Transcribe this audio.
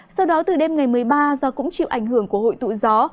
sau đó từ đêm ngày một mươi ba do cũng chịu ảnh hưởng của hội tụ gió